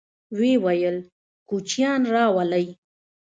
ويې ويل: کوچيان راولئ!